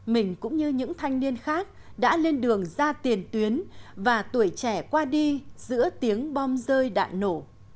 mình cũng như những thanh niên khác đã lên đường ra tiền tuyến và tuổi trẻ qua đi giữa tiếng bom rơi đạn nổ